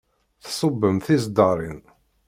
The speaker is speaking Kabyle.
Tṣubbem tiseddarin.